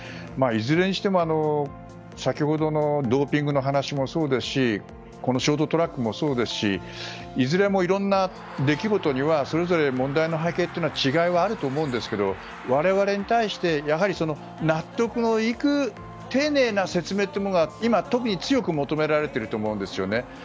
いずれにしても、先ほどのドーピングの話もそうですしこのショートトラックもそうですしいずれもいろんな出来事にはそれぞれ問題の背景というのに違いはあると思うんですけど我々に対してやはり納得のいく丁寧な説明というのが今、特に強く求められていると思うんですよね。